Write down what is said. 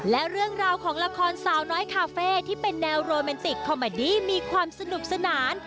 และเรื่องราวของละครสาวน้อยคาเฟ่ที่เป็นแนวโรแมนติกคอมเมอดี้มีความสนุกสนาน